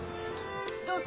どうぞ。